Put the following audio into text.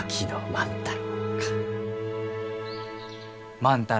万太郎。